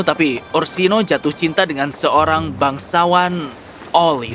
tapi orsino jatuh cinta dengan seorang bangsawan oli